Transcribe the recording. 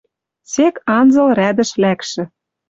Сек анзыл рядӹш лӓкшӹ